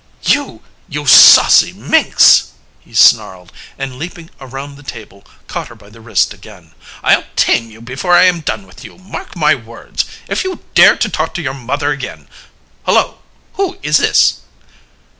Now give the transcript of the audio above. "You you saucy minx!" he snarled and leaping around the table caught her by the wrist again. "I'll tame you before I am done with you, mark my words! If you dare to talk to your mother again Hullo, who is this?"